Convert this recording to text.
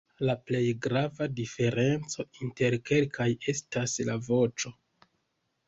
La plej grava diferenco inter kelkaj estas la voĉo.